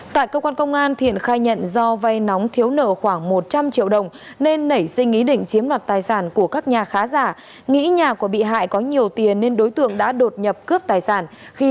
tại cơ quan công an thiện khai nhận do vay nóng thiếu nợ khoảng một trăm linh triệu đồng nên nảy sinh ý định chiếm đoạt tài sản của các nhà khá giả nghĩ nhà của bị hại có nhiều tiền nên đối tượng đã đột nhập cướp tài sản